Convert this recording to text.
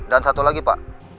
dan satu lagi pak